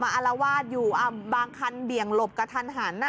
อารวาสอยู่บางคันเบี่ยงหลบกระทันหัน